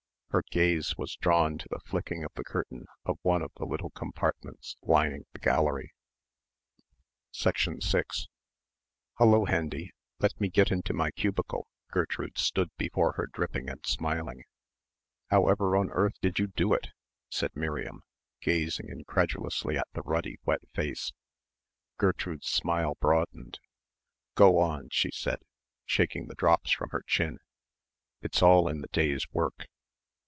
Her gaze was drawn to the flicking of the curtain of one of the little compartments lining the gallery. 6 "Hullo, Hendy, let me get into my cubicle." Gertrude stood before her dripping and smiling. "However on earth did you do it?" said Miriam, gazing incredulously at the ruddy wet face. Gertrude's smile broadened. "Go on," she said, shaking the drops from her chin, "it's all in the day's work."